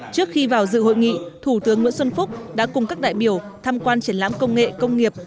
trước khi vào dự hội nghị thủ tướng nguyễn xuân phúc đã cùng các đại biểu tham quan triển lãm công nghệ công nghiệp